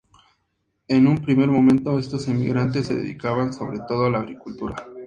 En un primer momento estos emigrantes se dedicaban, sobre todo, a la agricultura.